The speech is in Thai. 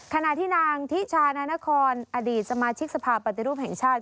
ขณะที่นางทิชานานครอดีตสมาชิกสภาพปฏิรูปแห่งชาติ